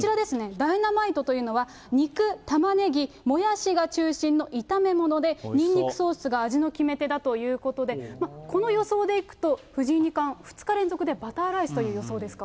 ダイナマイトというのは、肉、タマネギ、もやしが中心の炒め物で、ニンニクソースが味の決め手だということで、この予想でいくと、藤井二冠、２日連続でバターライスという予想ですか？